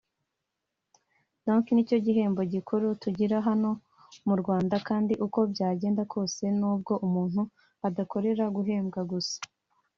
donc nicyo gihembo gikuru tugira cya hano mu Rwanda kandi uko byagenda kose nubwo umuntu adakorera guhembwa gusa